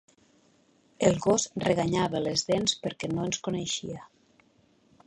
El gos reganyava les dents perquè no ens coneixia.